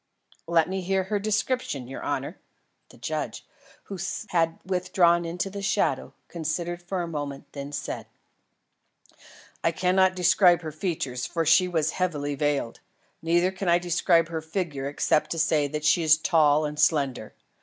"Let me hear her description, your honour." The judge, who had withdrawn into the shadow, considered for a moment, then said: "I cannot describe her features, for she was heavily veiled; neither can I describe her figure except to say that she is tall and slender.